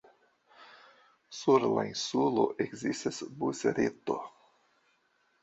Sur la insulo ekzistas busreto.